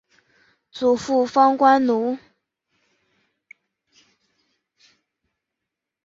祖父方关奴。